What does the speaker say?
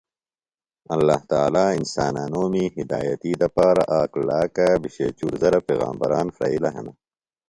اللہ تعالیٰ انسانانومی ہدایتی دپارہ آک لاکا بھیشے چُور زرہ پیغمبران پھریلہ ہنہۡ۔